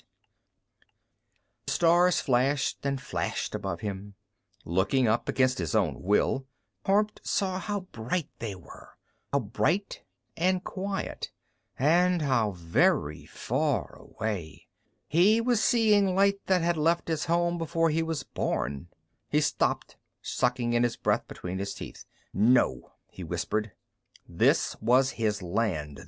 _ The stars flashed and flashed above him. Looking up, against his own will, Kormt saw how bright they were, how bright and quiet. And how very far away! He was seeing light that had left its home before he was born. He stopped, sucking in his breath between his teeth. "No," he whispered. This was his land.